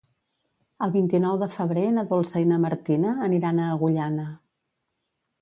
El vint-i-nou de febrer na Dolça i na Martina aniran a Agullana.